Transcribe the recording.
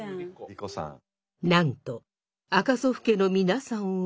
なんと赤祖父家の皆さんは。